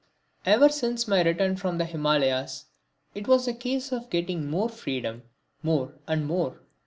Ever since my return from the Himalayas it was a case of my getting more freedom, more and more.